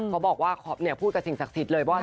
เขาบอกว่าพูดกับสิ่งศักดิ์สิทธิ์เลยว่า